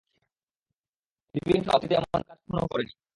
ডিভিয়েন্টরা অতীতে এমন কাজ কখনও করেনি।